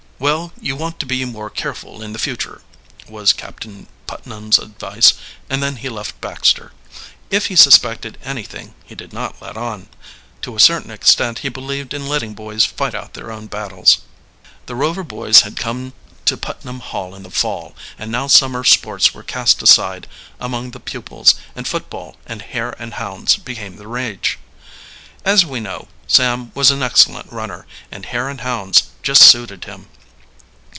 Well, you want to be more careful in the future," was Captain Putnam's advice, and then he left Baxter. If he suspected anything he did not let on. To a certain extent he believed in letting boys fight out their own battles. The Rover boys had come to Putnam Hall in the fall, and now summer sports were cast aside among the pupils, and football and hare and hounds became the rage. As we know, Sam was an excellent runner, and hare and hounds just suited him.